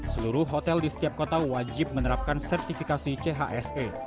seluruh hotel di setiap kota wajib menerapkan sertifikasi chse